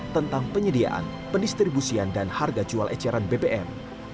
tentang penyediaan pendistribusian dan harga jual eceran bbm